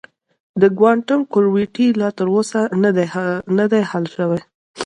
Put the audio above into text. د کوانټم ګرویټي لا تر اوسه نه دی حل شوی.